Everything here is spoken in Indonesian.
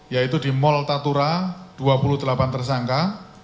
yaitu di mall tatura dua puluh delapan tersangka